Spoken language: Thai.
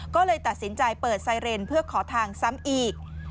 ก็เลยตัดสินใจเปิดไซเรนเพื่อขอทางซ้ำอีก